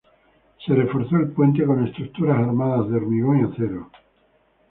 Se reforzó el puente con estructuras armadas de hormigón y acero.